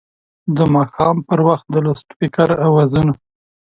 د ماښام پر وخت د لوډسپیکر اوازونه